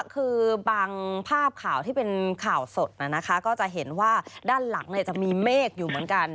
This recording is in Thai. คือบางภาพข่าวที่เป็นข่าวสดก็จะเห็นว่าด้านหลังจะมีเมฆอยู่เหมือนกัน